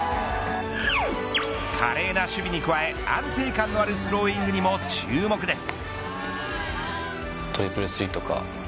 華麗な守備に加え安定感のあるスローイングにも注目です。